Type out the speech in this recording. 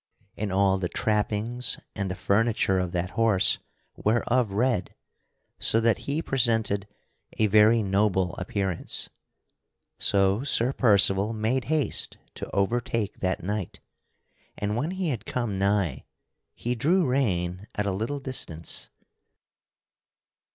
And all the trappings and the furniture of that horse were of red, so that he presented a very noble appearance. So Sir Percival made haste to overtake that knight, and when he had come nigh he drew rein at a little distance.